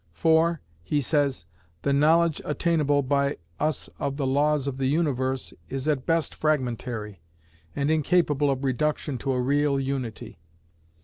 For (he says) the knowledge attainable by us of the laws of the universe is at best fragmentary, and incapable of reduction to a real unity.